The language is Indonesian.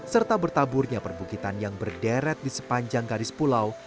serta bertaburnya perbukitan yang berderet di sepanjang garis pulau